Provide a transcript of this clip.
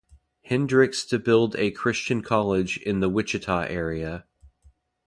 Hendryx to build a Christian college in the Wichita area.